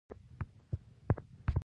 پلاو ولې ملي خواړه دي؟